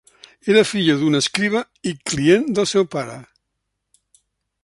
Era filla d'un escriba i client del seu pare.